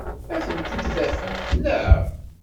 Ad tent-id-tafemt, naɣ?